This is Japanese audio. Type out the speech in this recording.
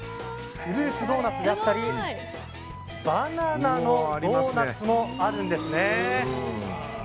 フルーツドーナツだったりバナナのドーナツもあるんですね。